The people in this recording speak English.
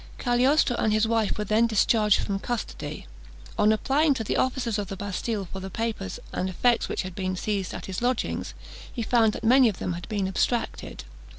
Cagliostro and his wife were then discharged from custody. On applying to the officers of the Bastille for the papers and effects which had been seized at his lodgings, he found that many of them had been abstracted.